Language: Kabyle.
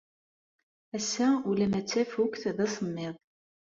Ass-a, ula ma d tafukt, d asemmiḍ.